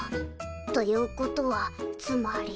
ということはつまり。